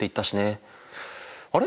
あれ？